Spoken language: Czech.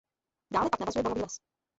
Dále pak navazuje borový les.